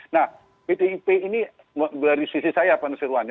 nah pdip ini dari sisi saya pak nusirwan